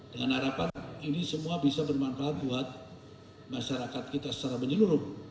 dengan harapan ini semua bisa bermanfaat buat masyarakat kita secara menyeluruh